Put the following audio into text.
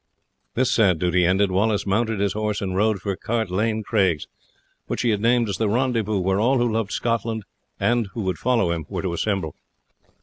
This sad duty ended, Wallace mounted his horse and rode for Cart Lane Craigs, which he had named as the rendezvous where all who loved Scotland and would follow him, were to assemble.